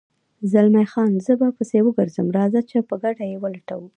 زلمی خان: زه به پسې وګرځم، راځه چې په ګډه یې ولټوو.